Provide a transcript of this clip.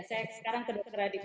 saya sekarang ke dr radika